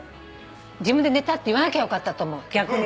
自分で寝たって言わなきゃよかったって思う逆に。